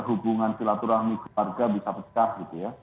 hubungan silaturahmi keluarga bisa pecah gitu ya